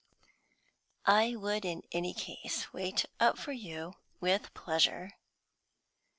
"I would in any case wait up for you, with pleasure?"